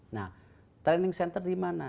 nah training center dimana